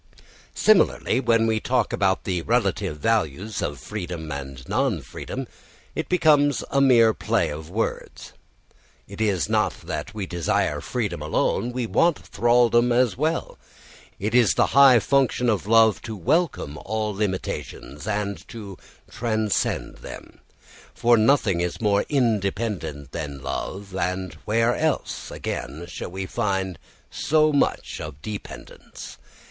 Similarly, when we talk about the relative values of freedom and non freedom, it becomes a mere play of words. It is not that we desire freedom alone, we want thraldom as well. It is the high function of love to welcome all limitations and to transcend them. For nothing is more independent than love, and where else, again, shall we find so much of dependence?